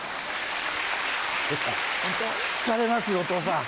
疲れますよお父さん。